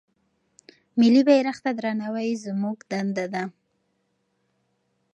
ملي بيرغ ته درناوی زموږ دنده ده.